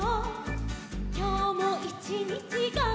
「きょうもいちにちがんばった」